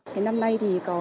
thế năm nay thì có